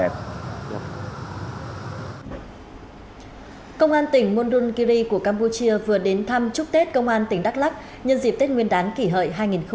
công an tỉnh mondunkiri của campuchia vừa đến thăm chúc tết công an tỉnh đắk lắc nhân dịp tết nguyên đán kỷ hợi hai nghìn một mươi chín